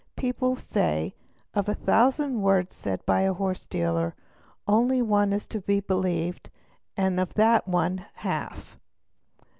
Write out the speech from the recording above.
People say:—''of a thousand words said by a horse dealer one only is to be believed and of that one but the half'.